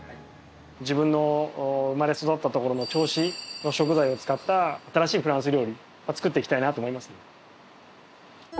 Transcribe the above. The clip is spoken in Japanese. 自分の生まれ育った所の銚子の食材を使った新しいフランス料理を作っていきたいなと思いますね。